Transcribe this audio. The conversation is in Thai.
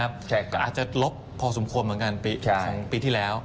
อาจจะลบพอสมควรเหมือนกันของปีที่แล้ว